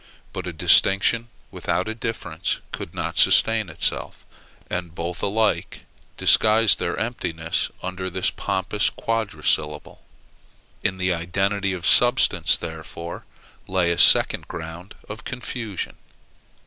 But a distinction without a difference could not sustain itself: and both alike disguised their emptiness under this pompous quadrisyllable. In the identity of substance, therefore, lay a second ground of confusion.